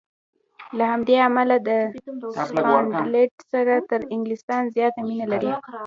له همدې امله د سکاټلنډ سره تر انګلیستان زیاته مینه لري.